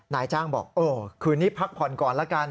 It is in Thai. นายจ้างบอกเออคืนนี้พักผ่อนก่อนละกัน